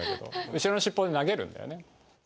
後ろの尻尾で投げるんだよね。